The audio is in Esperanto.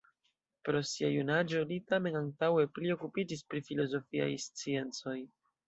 Pro sia junaĝo li tamen antaŭe pli okupiĝis pri filozofiaj sciencoj.